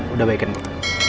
udah baikin gue